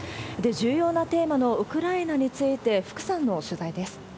重要なテーマのウクライナについて、福さんの取材です。